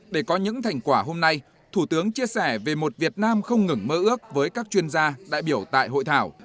để có những thành quả hôm nay thủ tướng chia sẻ về một việt nam không ngừng mơ ước với các chuyên gia đại biểu tại hội thảo